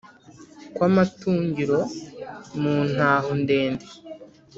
kwa matungiro mu ntaho ndende